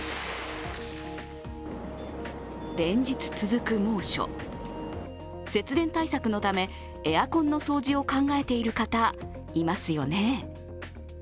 連日続く猛暑、節電対策のためエアコンの掃除を考えている方、いますよね？